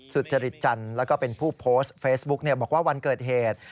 สุจริตจันทร์แล้วก็เป็นผู้โพสต์เฟซบุ๊กบอกว่าวันเกิดเหตุ